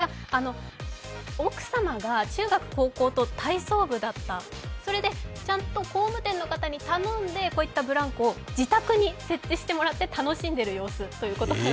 「アルプスの少女ハイジ」みたいな感じですけどもこちら奥様が中学、高校と体操部だった、それでちゃんと工務店の方に頼んで、こういったブランコを自宅に設置してもらって楽しんでいる様子ということです。